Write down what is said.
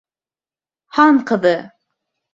Хан ҡыҙы!